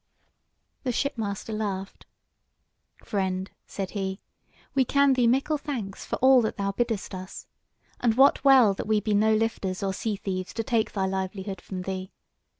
The shipmaster laughed: "Friend," said he, "we can thee mickle thanks for all that thou biddest us. And wot well that we be no lifters or sea thieves to take thy livelihood from thee.